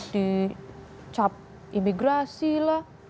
di cap imigrasi lah